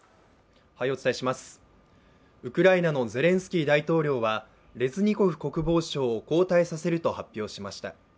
ウクライナのゼレンスキー大統領はレズニコフ国防相を交代させると発表しました